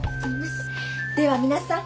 では皆さん。